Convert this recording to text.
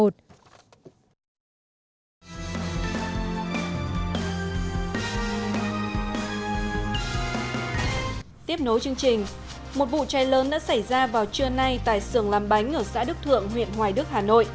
tiếp nối chương trình một vụ cháy lớn đã xảy ra vào trưa nay tại sưởng làm bánh ở xã đức thượng huyện hoài đức hà nội